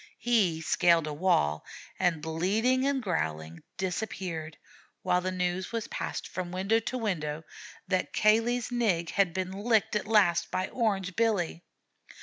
He scaled a wall and, bleeding and growling, disappeared, while the news was passed from window to window that Cayley's Nig had been licked at last by Orange Billy.